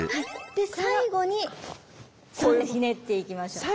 で最後にひねっていきましょう。